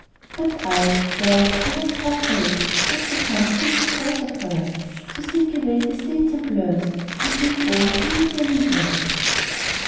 But I, well, I left Raphael Just to come drink these eyes of hers, To think away the stains and blurs And make all new again and well.